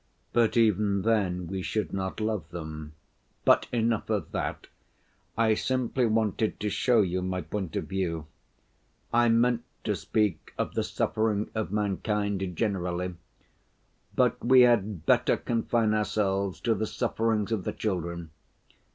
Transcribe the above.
But even then we should not love them. But enough of that. I simply wanted to show you my point of view. I meant to speak of the suffering of mankind generally, but we had better confine ourselves to the sufferings of the children.